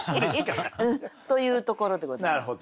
というところでございます。